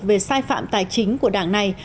về sai phạm tài chính của đảng này